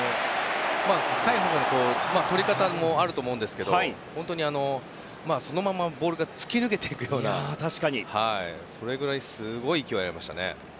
とり方もあると思うんですけど本当にそのままボールが突き抜けていくようなそれぐらいすごい勢いがありましたね。